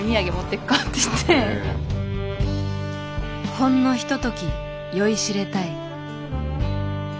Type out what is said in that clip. ほんのひととき酔いしれたい。